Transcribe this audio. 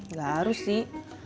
gak harus sih